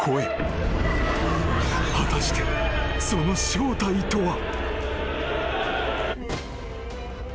［果たしてその正体とは］